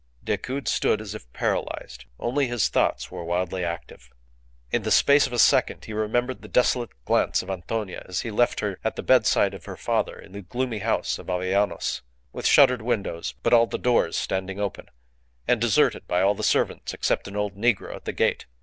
Decoud stood as if paralyzed; only his thoughts were wildly active. In the space of a second he remembered the desolate glance of Antonia as he left her at the bedside of her father in the gloomy house of Avellanos, with shuttered windows, but all the doors standing open, and deserted by all the servants except an old negro at the gate.